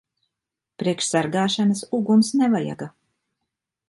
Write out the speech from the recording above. Priekš sargāšanas uguns nevajaga.